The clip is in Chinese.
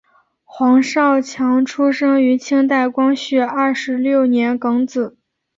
黄少强出生于清代光绪二十六年庚子。